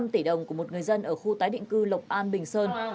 năm tỷ đồng của một người dân ở khu tái định cư lộc an bình sơn